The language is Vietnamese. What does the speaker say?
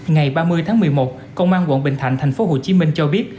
ngày ba mươi tháng một mươi một công an quận bình thạnh tp hcm cho biết